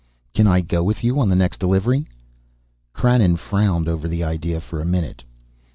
"Can I go with you on the next delivery?" Krannon frowned over the idea for a minute.